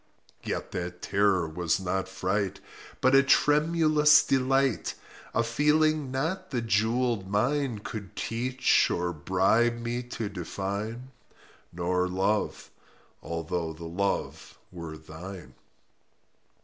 Yet that terror was not fright, But a tremulous delight— A feeling not the jewelled mine Could teach or bribe me to define— Nor Love—although the Love were thine.